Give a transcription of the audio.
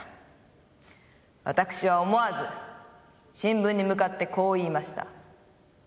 私は思わず新聞に向かってこう言いました。